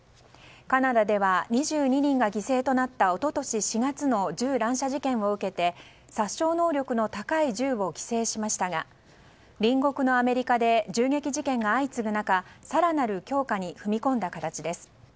カナダでは２２人が犠牲となった一昨年４月の銃乱射事件を受けて殺傷能力の高い銃を規制しましたが隣国のアメリカで銃撃事件が相次ぐ中更なる強化に踏み込んだ形です。